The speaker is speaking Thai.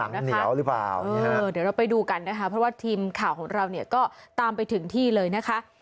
น้ำเหนียวหรือเปล่าเดี๋ยวเราไปดูกันนะคะเพราะว่าทีมข่าวของเราเนี่ยก็ตามไปถึงที่เลยนะคะ